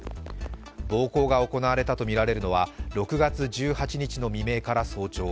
暴行が行われたとみられるのは６月１８日の未明から早朝。